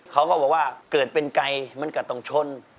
เขาก็บอกว่าเกิดเป็นไกลมันก็ต้องชน